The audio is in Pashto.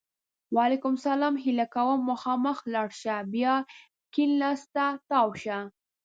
وعلیکم سلام! هیله کوم! مخامخ لاړ شه! بیا کیڼ لاس ته تاو شه!